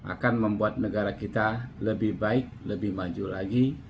akan membuat negara kita lebih baik lebih maju lagi